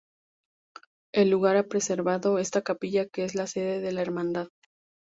El lugar ha preservado esta capilla, que es la sede de la hermandad.